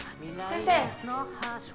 先生！